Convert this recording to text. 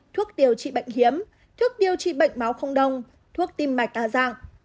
thuốc điều trị bệnh hiếm thuốc điều trị bệnh máu không đông thuốc tim mạch tà giang